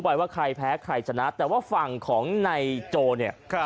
บ่อยว่าใครแพ้ใครจะนัดแต่ว่าฝั่งของในโจเนี่ยครับ